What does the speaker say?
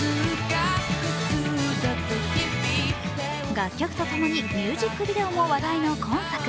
楽曲とともにミュージックビデオも話題の今作。